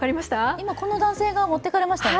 今今この男性が持ってかれましたよね？